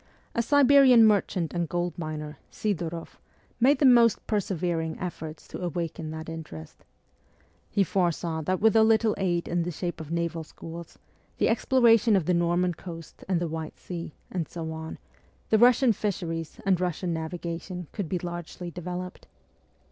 A Siberian merchant and goldminer, Sfdoroff, made the most persevering efforts to awaken that interest. He foresaw that with a little aid in the shape of naval schools, the exploration of the Norman Coast and the White Sea, and so on, the Russian fisheries and Eussian navigation could be largely developed.